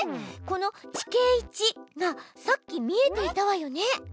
この「地形１」がさっき見えていたわよね。